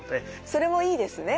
それもいいですね。